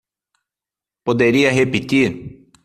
Poderia repetir?